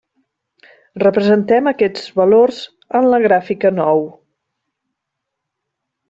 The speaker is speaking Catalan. Representem aquests valors en la gràfica nou.